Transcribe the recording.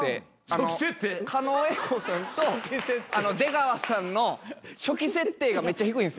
狩野英孝さんと出川さんの初期設定がめっちゃ低いんすよ。